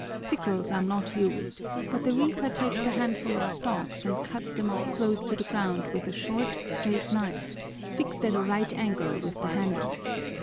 Sickles are not used, but the reaper takes a handful of stalks and cuts them off close to the ground with a short, straight knife, fixed at a right angle with the handle.